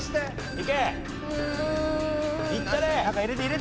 いったれ！